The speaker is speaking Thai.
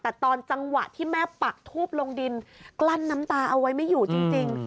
แต่ตอนจังหวะที่แม่ปักทูบลงดินกลั้นน้ำตาเอาไว้ไม่อยู่จริง